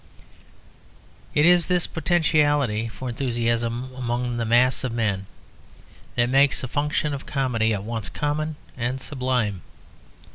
_ It is this potentiality for enthusiasm among the mass of men that makes the function of comedy at once common and sublime.